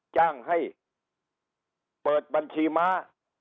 จ้างให้เปิดบัญชีม้า